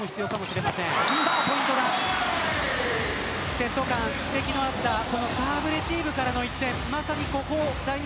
セット間に指摘があったサーブレシーブからの得点。